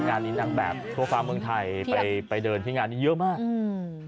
งานนี้นางแบบทั่วฟ้าเมืองไทยไปไปเดินที่งานนี้เยอะมากอืม